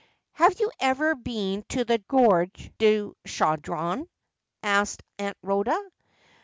' Have you ever been to the Gorge du Chauderon ?' asked Aunt Rhoda.